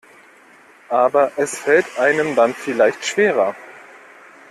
Aber es fällt einem dann vielleicht schwerer.